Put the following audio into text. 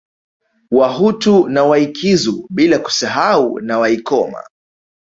Wahutu na Waikizu bila kusahau na Waikoma